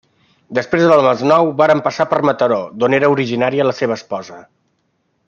Després del Masnou, varen passar per Mataró, d'on era originària la seva esposa.